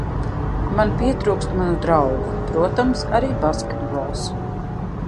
Man pietrūkst manu draugu protams arī basketbols.